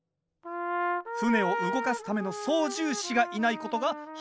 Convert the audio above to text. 船を動かすための操縦士がいないことが判明。